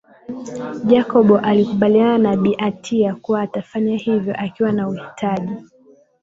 Jacob alikubaliana na bi anita kuwa atafanya hivyo akiwa na uhitaji